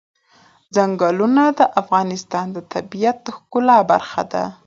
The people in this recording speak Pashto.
ځنګلونه د افغانستان د طبیعت د ښکلا برخه ده.